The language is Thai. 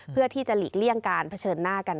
เพื่อที่จะหลีกเลี่ยงการเผชิญหน้ากัน